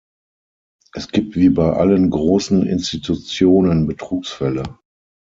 Es gibt wie bei allen großen Institutionen Betrugsfälle.